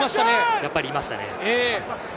やっぱりいましたね。